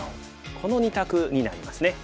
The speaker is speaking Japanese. この２択になりますね。